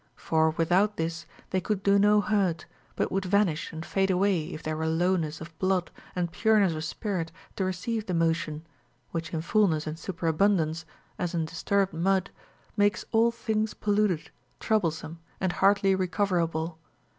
For without this they could do no hurt, but would vanish and fade away if there were lowness of blood and pureness of spirit to receive the motion, which in fulness and superabundance, as in disturbed mud, makes all things polluted, troublesome, and hardly recoverable.